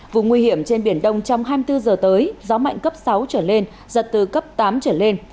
vùng nguy hiểm trên biển đông trong hai mươi bốn giờ tới gió mạnh cấp sáu trở lên giật từ cấp tám trở lên